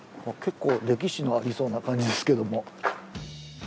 結構歴史のありそうな感じですけども。